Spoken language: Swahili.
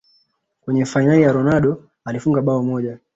kwenye fainali ya ronaldo alifunga bao moja